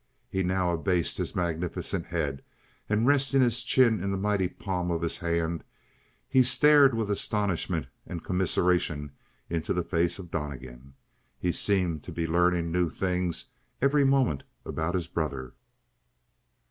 He now abased his magnificent head, and resting his chin in the mighty palm of his hand, he stared with astonishment and commiseration into the face of Donnegan. He seemed to be learning new things every moment about his brother.